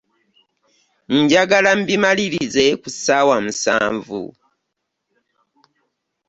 Njagala mbimalirize ku ssaawa musanvu.